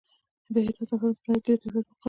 د هرات زعفران په نړۍ کې د کیفیت مقام لري